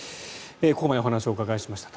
ここまでお話をお伺いしました。